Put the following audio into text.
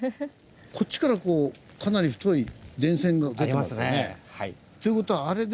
こっちからこうかなり太い電線が出てますよね。